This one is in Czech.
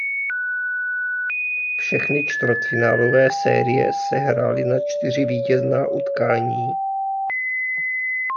Všechny čtvrtfinálové série se hrály na čtyři vítězná utkání.